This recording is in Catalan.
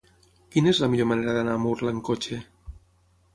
Quina és la millor manera d'anar a Murla amb cotxe?